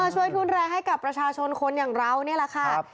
ทุนแรงให้กับประชาชนคนอย่างเรานี่แหละค่ะ